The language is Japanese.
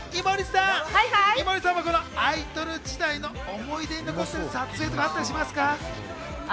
井森さんもアイドル時代の思い出に残っている撮影とかあったりしますか。